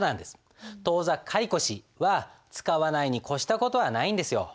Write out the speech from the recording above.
当座借越は使わないに越した事はないんですよ。